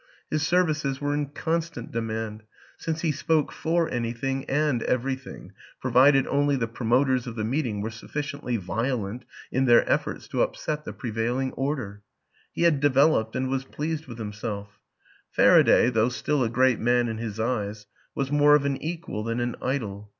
His services were in constant demand, since he spoke for anything and everything provided only the promoters of the meeting were sufficiently violent in their efforts to upset the prevailing or der. He had developed and was pleased with himself; Faraday, though still a great man in his eyes, was more of an equal than an idol.